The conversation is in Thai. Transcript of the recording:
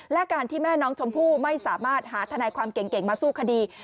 และการที่แม่น้องชมพู่ไม่สามารถหาทนายความเก่งมาสู้คดี